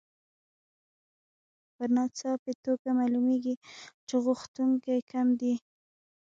په ناڅاپي توګه معلومېږي چې غوښتونکي کم دي